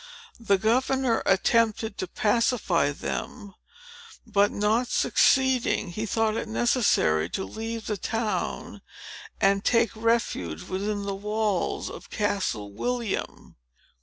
The governor attempted to pacify them; but, not succeeding, he thought it necessary to leave the town, and take refuge within the walls of Castle William.